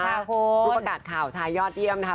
ขอบคุณรูปการณ์ข่าวชายยอดเยี่ยมนะคะ